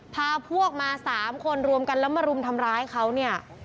พาพวกมา๓คนรวมกันแล้วมารุมทำร้ายเขาเนี่ย